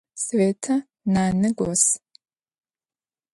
Светэ нанэ гос.